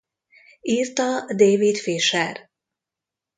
Írta David Fisher.